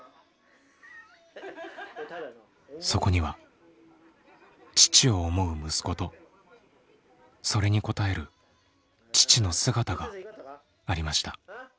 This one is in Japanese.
そこには父を思う息子とそれに応える父の姿がありました。